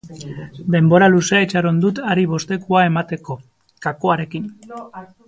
Denbora luzea itxaron dut hari bostekoa emateko, kakoarekin!